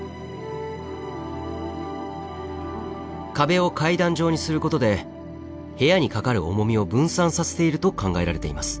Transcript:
壁を階段状にすることで部屋にかかる重みを分散させていると考えられています。